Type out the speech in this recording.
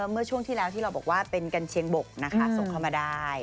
เมื่อช่วงที่แล้วที่เราบอกว่าเป็นกัญเชียงบกนะคะส่งเข้ามาได้